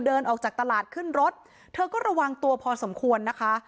เดินออกจากตลาดขึ้นรถเธอก็ระวังตัวพอสมควรนะคะ